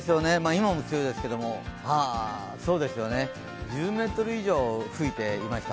今も強いですけども、そうですよね、１０メートル以上吹いていました。